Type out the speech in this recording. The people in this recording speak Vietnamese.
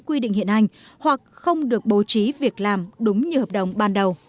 quy định hiện hành hoặc không được bố trí việc làm đúng như hợp đồng ban đầu